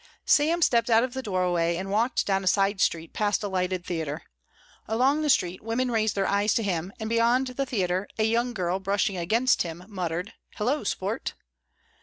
Sam stepped out of the doorway and walked down a side street past a lighted theatre. Along the street women raised their eyes to him and beyond the theatre, a young girl, brushing against him, muttered, "Hello, Sport!"